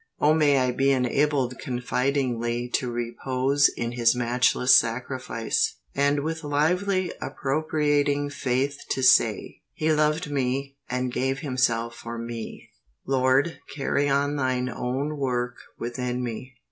Oh may I be enabled confidingly to repose in His matchless sacrifice, and with lively appropriating faith to say, "He loved me and gave Himself for me!" Lord, carry on Thine own work within me.